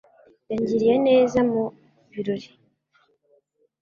Yangiriye neza cyane mu birori.